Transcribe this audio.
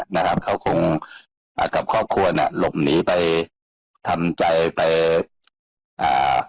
นะครับเขาคงอ่ากับครอบครัวเนี้ยหลบหนีไปทำใจไปอ่า